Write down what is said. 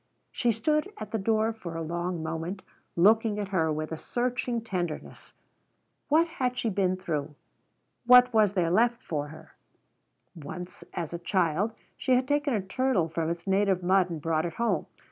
She stood at the door for a long moment, looking at her with a searching tenderness. What had she been through? What was there left for her? Once, as a child, she had taken a turtle from its native mud and brought it home.